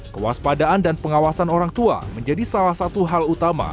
kewaspadaan dan pengawasan orang tua menjadi salah satu hal utama